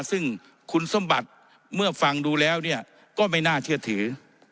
ซึ่งคุณสมบัติเมื่อฟังดูแล้วก็ไม่น่าเชื่อถือ